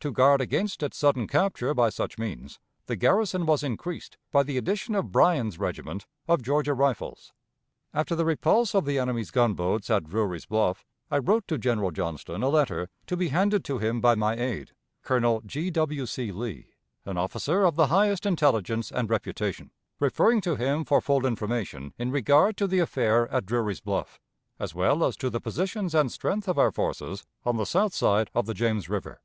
To guard against its sudden capture by such means, the garrison was increased by the addition of Bryan's regiment of Georgia Rifles. After the repulse of the enemy's gunboats at Drury's Bluff, I wrote to General Johnston a letter to be handed to him by my aide, Colonel G. W. C. Lee, an officer of the highest intelligence and reputation referring to him for full information in regard to the affair at Drury's Bluff, as well as to the positions and strength of our forces on the south side of the James River.